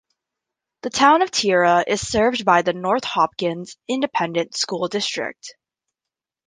The Town of Tira is served by the North Hopkins Independent School District.